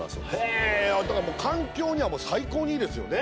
へえだから環境にはもう最高にいいですよね